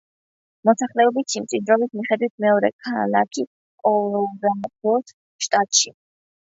მოსახლეობის სიმჭიდროვის მიხედვით მეორე ქალაქი კოლორადოს შტატში.